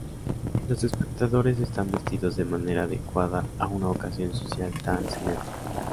Los espectadores están vestidos de manera adecuada a una ocasión social tan solemne.